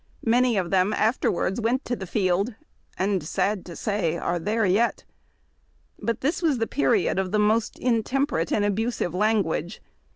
Many of them afterwards went to the field, and, sad to say, are there yet. But this was the period of the most intemperate and abusive language.